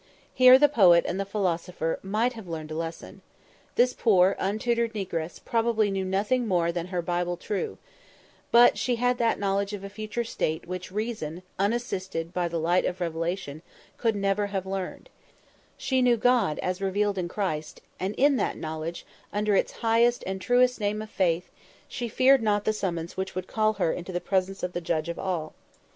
Here the poet and the philosopher might have learned a lesson. This poor, untutored negress probably knew nothing more "than her Bible true;" but she had that knowledge of a future state which reason, unassisted by the light of revelation, could never have learned; she knew yet more she knew God as revealed in Christ, and in that knowledge, under its highest and truest name of Faith, she feared not the summons which would call her into the presence of the Judge of all.